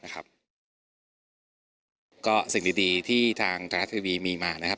ก็สิ่งดีที่ทางไทยรัฐทีวีมีมานะครับ